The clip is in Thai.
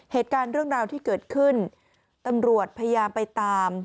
เหตุการณ์เรื่องราวที่เกิดขึ้นตำรวจพยายามไปตาม